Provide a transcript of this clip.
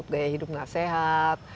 gaya hidup gak sehat